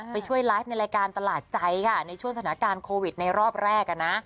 ไปช่วยไลฟ์ในรายการตลาดใจค่ะในช่วงสถานการณ์โควิดในรอบแรก